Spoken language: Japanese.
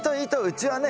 うちはね